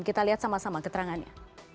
kita lihat sama sama keterangannya